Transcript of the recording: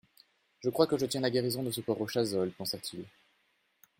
Je crois que je tiens la guérison de ce pauvre Chazolles, pensa-t-il.